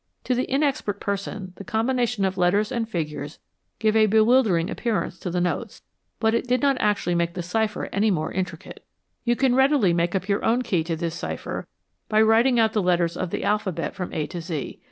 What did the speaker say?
To the inexpert person the combination of letters and figures gave a bewildering appearance to the notes, but it did not actually make the cipher any more intricate. You can readily make up your own key to this cipher by writing out the letters of the alphabet from A to Z.